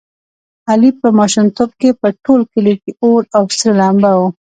علي په ماشومتوب کې په ټول کلي کې اور او سره لمبه و.